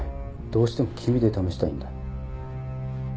どうしても君で試したいんだ。